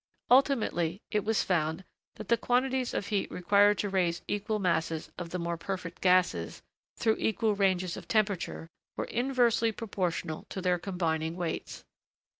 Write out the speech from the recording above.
Ultimately, it was found that the quantities of heat required to raise equal masses of the more perfect gases, through equal ranges of temperature, were inversely proportional to their combining weights.